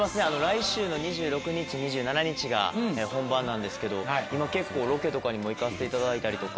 来週の２６日２７日が本番なんですけど今結構ロケとかにも行かせていただいたりとか。